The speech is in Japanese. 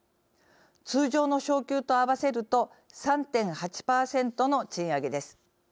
通常の昇給と合わせると３．８％の賃上げです。